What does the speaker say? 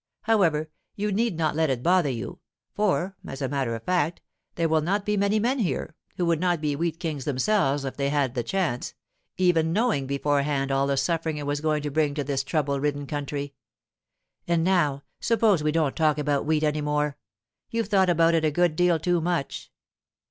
However, you need not let it bother you; for, as a matter of fact, there will not be many men here, who would not be wheat kings themselves if they had the chance—even knowing beforehand all the suffering it was going to bring to this trouble ridden country. And now, suppose we don't talk about wheat any more. You've thought about it a good deal too much.